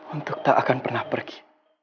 untuk tak akan pernah pergi